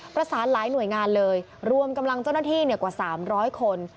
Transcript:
ประสานหลายหน่วยงานเลยรวมกำลังเจ้าหน้าที่กว่า๓๐๐คน